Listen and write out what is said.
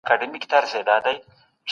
د کورنۍ غړي څنګه ونډه اخيسته؟